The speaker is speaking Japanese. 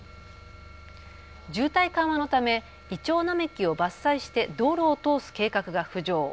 渋滞緩和のためイチョウ並木を伐採して道路を通す計画が浮上。